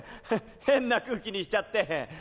変な空気にしちゃって。